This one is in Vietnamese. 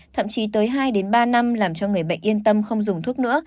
thậm chí tới hai ba năm làm cho người bệnh yên tâm không dùng thuốc nữa